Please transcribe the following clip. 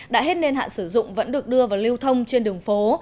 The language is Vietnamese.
đã hết niên hạn sử dụng vẫn được đưa vào lưu thông trên đường phố